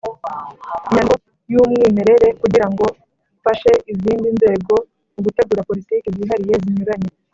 inyandiko y'umwimerere kugirango fashe izindi nzego mu gutegura politiki zihariye zinyuranye.